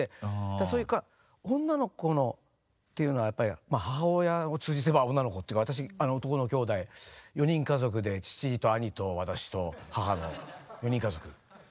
そういう女の子のっていうのはやっぱり母親を通じてまあ女の子っていうか私男の兄弟４人家族で父と兄と私と母の４人家族。